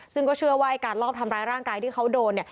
ซึ่งก็เชื่อว่าการลอบทำร้ายร่างกายที่เขาโดนเนี่ย